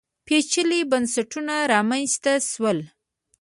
پېچلي بنسټونه رامنځته شول